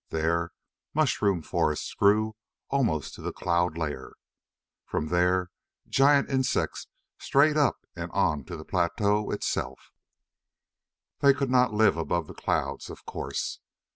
There, mushroom forests grew almost to the cloud layer. From there, giant insects strayed up and onto the plateau itself. They could not live above the clouds, of course.